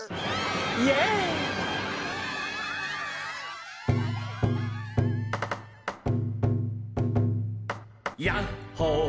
イエイ！キャ！ヤッホー！